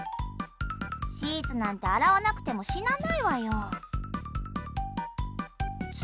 シーツなんて洗わなくても死なないわよ。